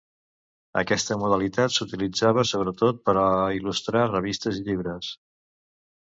Aquesta modalitat s'utilitzava sobretot per a il·lustrar revistes i llibres.